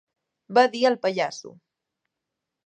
Va dir el pallasso.